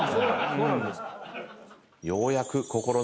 そうなんですか。